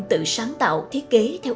tự sáng tạo thiết kế theo